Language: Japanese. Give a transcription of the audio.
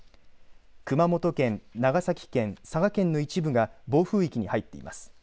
熊本県、長崎県、佐賀県の一部が暴風域に入っています。